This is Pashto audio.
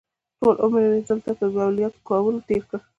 ټول عمر مې همدلته په عملیات کولو تېر کړ.